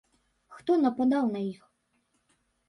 Хто нападаў на іх?